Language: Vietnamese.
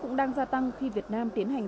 cũng đang gia tăng khi việt nam tiến hành